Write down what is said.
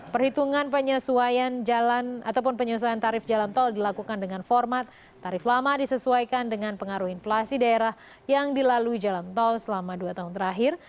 perhitungan penyesuaian jalan ataupun penyesuaian tarif jalan tol dilakukan dengan format tarif lama disesuaikan dengan pengaruh inflasi daerah yang dilalui jalan tol selama dua tahun terakhir